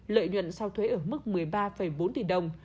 lợi nhuận sau thuế ở mức một mươi ba bốn tỷ đồng